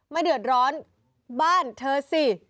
เดือดร้อนบ้านเธอสิ